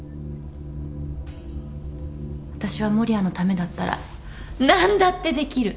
私は守谷のためだったら何だってできる！